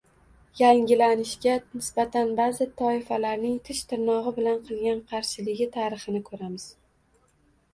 yangilanishga nisbatan ba’zi toifalarning tish-tirnog‘i bilan qilgan qarshiligi tarixini ko‘ramiz.